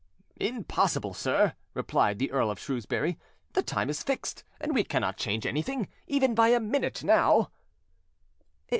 "Impossible, sir," replied the Earl of Shrewsbury: "the time is fixed, and we cannot change anything, even by a minute, now."